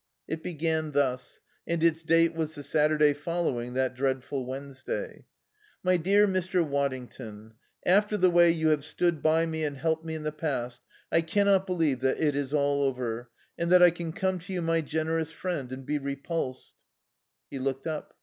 It began thus, and its date was the Saturday following that dreadful Wednesday: "MY DEAR MR. WADDINGTON: "After the way you have stood by me and helped me in the past, I cannot believe that it is all over, and that I can come to you, my generous friend, and be repulsed " He looked up.